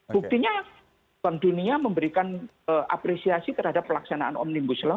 buktinya bank dunia memberikan apresiasi terhadap pelaksanaan omnibus law